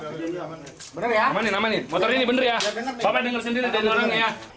nama nih nama nih motor ini bener ya bapak denger sendiri jangan ngerangnya ya